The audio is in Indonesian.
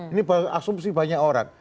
ini asumsi banyak orang